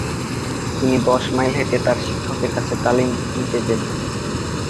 তিনি দশ মেইল হেঁটে তার শিক্ষকের কাছে তালিম নিতে যেতেন।